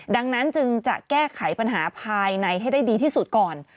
ดังนั้นจึงจะแก้ไขปัญหาภายในให้ได้ดีที่สุดก่อน